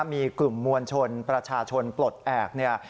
มีกลุ่มมวลชนประชาชนปลดแอบเนี่ย